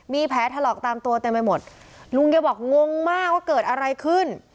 มีแผลถลอกตามตัวเต็มไปหมดลุงแกบอกงงมากว่าเกิดอะไรขึ้น